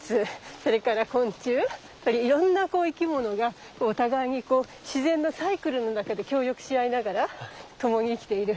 それから昆虫いろんな生き物がお互いにこう自然のサイクルの中で協力し合いながら共に生きている。